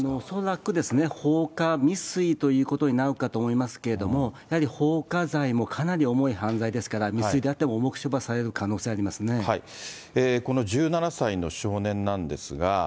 恐らく放火未遂ということになろうかと思いますけれども、やはり放火罪もかなり重い犯罪ですから、未遂であっても、重く処罰この１７歳の少年なんですが。